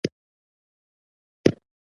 آرام پراته وای، ګل جانه به اوس په کټ کې.